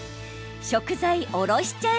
食材おろしちゃえ